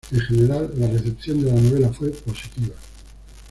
En general, la recepción de la novela fue positiva.